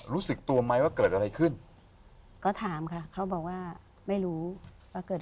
รู้สึกตัวไหมว่าเกิดอะไรขึ้นก็ถามค่ะเขาบอกว่าไม่รู้ว่าเกิดอะไร